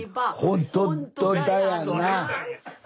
ほんとだやな。